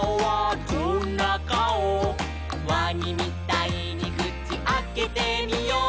「わにみたいにくちあけてみよう」